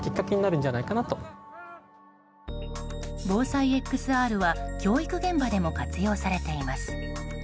防災ＸＲは教育現場でも活用されています。